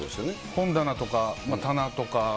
本棚とか、棚とか。